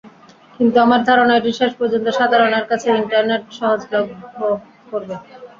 কিন্তু আমার ধারণা এটি শেষ পর্যন্ত সাধারণের কাছে ইন্টারনেট সহজলভ্য করবে।